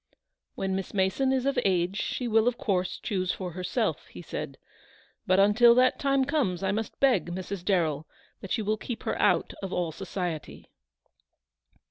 " When Miss Mason is of age she will of course choose for herself," he said; "but until that time comes I must beg, Mrs. Darrell, that you will keep her out of all society."